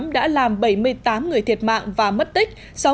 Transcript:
đã làm bảy mươi tám người thiệt mạng và mất tích